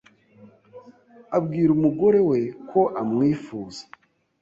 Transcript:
Abwira umugore we ko amwifuza